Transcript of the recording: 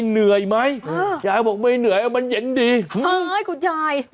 เหนื่อยไหมอ่ะยายบอกไม่เหนื่อยอะมันเห็นหื้มเฮ้ย